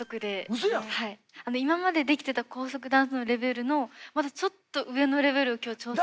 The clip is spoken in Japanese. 今までできてた高速ダンスのレベルのまたちょっと上のレベルを今日挑戦するんですよ。